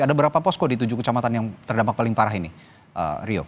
ada berapa posko di tujuh kecamatan yang terdampak paling parah ini rio